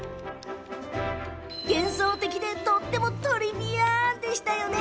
幻想的でとってもトリビアンでしたね。